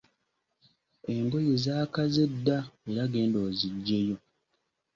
Engoye zaakaze dda era genda oziggyeyo.